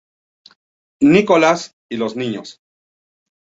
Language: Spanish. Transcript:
Nicolás y los niños.